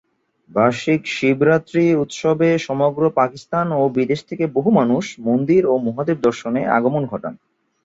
বার্ষিক শিবরাত্রি উৎসবে সমগ্র পাকিস্তান ও বিদেশ থেকে বহু মানুষ মন্দির ও মহাদেব দর্শনে আগমন ঘটান।